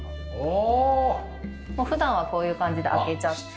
普段はこういう感じで開けちゃって。